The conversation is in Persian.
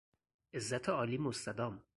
عزت عالی مستدام